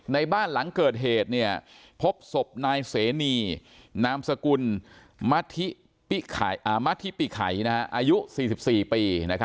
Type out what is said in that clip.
ในบ้านหลังเกิดเหตุพบศพนายเสนีนามสกุลมัธิปิไขอายุ๔๔ปี